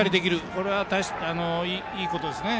これはいいことですね。